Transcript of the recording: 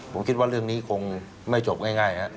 ผมคิดว่าเรื่องนี้คงไม่จบง่ายครับ